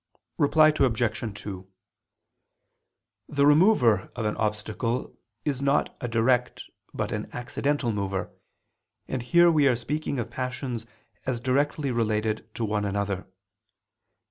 Reply Obj. 2: The remover of an obstacle is not a direct but an accidental mover: and here we are speaking of passions as directly related to one another.